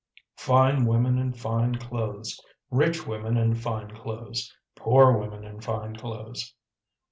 Fine women in fine clothes; rich women in fine clothes; poor women in fine clothes.